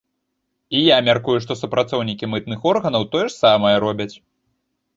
І я мяркую, што супрацоўнікі мытных органаў тое ж самае робяць.